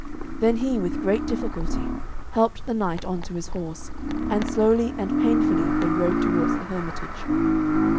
Then he, with great difficulty, helped the knight on to his horse, and slowly and painfully they rode towards the hermitage.